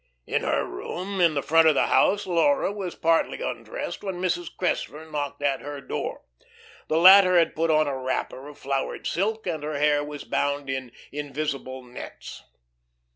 In her room, in the front of the house, Laura was partly undressed when Mrs. Cressler knocked at her door. The latter had put on a wrapper of flowered silk, and her hair was bound in "invisible nets."